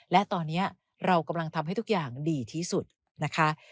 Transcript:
และตอนนี้เรากำลังทำให้ทุกอย่างดีที่สุดนะคะ